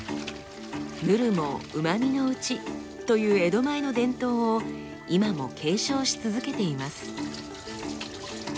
ヌルもうまみのうちという江戸前の伝統を今も継承し続けています。